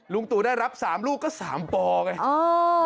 ลุงตูได้รับสามลูกก็สามปอไง